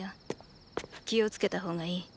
気をつけた方がいい。